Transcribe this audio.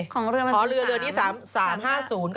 เหรอเรือนี้๓๕๐กับ๙๕